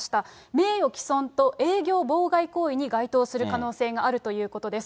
名誉毀損と営業妨害行為に該当する可能性があるということです。